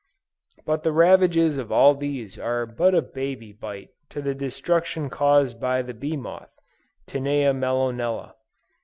But the ravages of all these are but a baby bite to the destruction caused by the bee moth, (Tinea mellonella.)